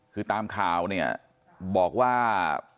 คือตามข่าวบอกว่า